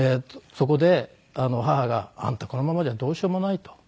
そこで母が「あんたこのままじゃどうしようもない」と。